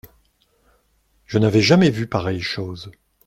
Je n’avais jamais vu pareille chose.